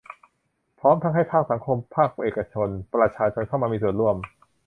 พร้อมทั้งให้ภาคสังคม ภาคเอกชน ประชาชนเข้ามามีส่วนร่วม